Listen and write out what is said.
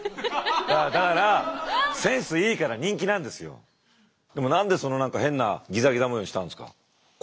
だからでも何でその変なギザギザ模様にしたんですか？